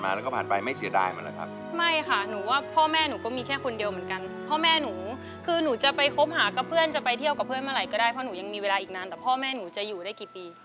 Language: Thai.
เพื่อนก็เข้าใจบอกว่าที่หลังกูจะไม่ชวนมึงมาแล้วก็ไม่ต้องไปหรอก